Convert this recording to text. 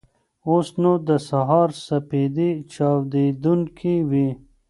اوس نو د سهار سپېدې چاودېدونکې وې.